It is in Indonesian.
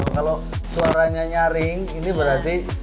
kalau suaranya nyaring ini berarti